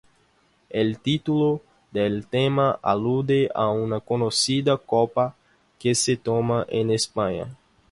El título del tema alude a una conocida copa que se toma en España.